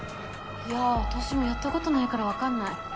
いや私もやったことないからわかんない。